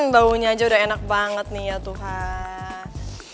baunya aja udah enak banget nih ya tuhan